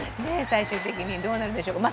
最終的にどうなるんでしょうか。